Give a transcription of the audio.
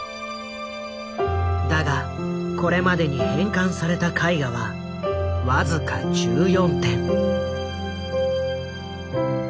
だがこれまでに返還された絵画は僅か１４点。